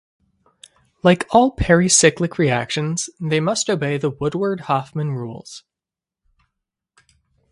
Like all pericyclic reactions, they must obey the Woodward-Hoffmann rules.